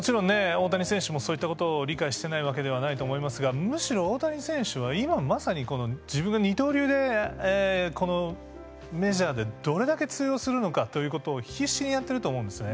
大谷選手もそういったことを理解してないわけではないと思いますがむしろ大谷選手は今まさに自分が二刀流でこのメジャーでどれだけ通用するのかということを必死にやってると思うんですね。